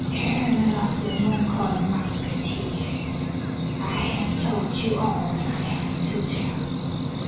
" Colonel of the Munkholm musketeers, I have told you all that I have to tell.